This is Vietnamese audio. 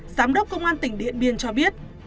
giám đốc công an tỉnh điện biên cho biết